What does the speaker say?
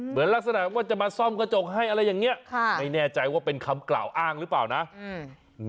เหมือนลักษณะว่าจะมาซ่อมกระจกให้อะไรอย่างเงี้ยค่ะไม่แน่ใจว่าเป็นคำกล่าวอ้างหรือเปล่านะอืม